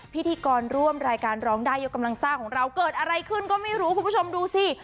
พิธีกรร่วมรายการร้องได้ยกกำลังซ่าของเราเกิดอะไรขึ้นก็ไม่รู้คุณผู้ชมดูสิ